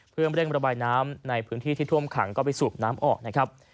เพื่อเร่งระบายน้ำในพื้นที่ที่ท่วมขังก็ไปสูบน้ำออกนะครับ